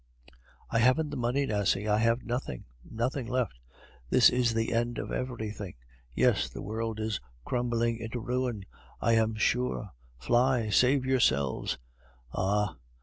"I haven't the money, Nasie. I have nothing nothing left. This is the end of everything. Yes, the world is crumbling into ruin, I am sure. Fly! Save yourselves! Ah!